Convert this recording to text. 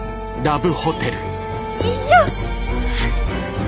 よいしょ！